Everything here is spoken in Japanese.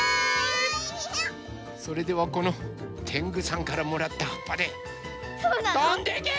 それではこのてんぐさんからもらったはっぱでとんでけ！